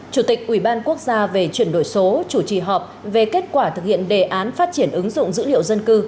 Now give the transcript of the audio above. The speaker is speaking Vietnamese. chủ tịch ủy ban quốc gia về chuyển đổi số chủ trì họp về kết quả thực hiện đề án phát triển ứng dụng dữ liệu dân cư